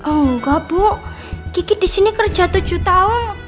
enggak bu kiki di sini kerja tujuh tahun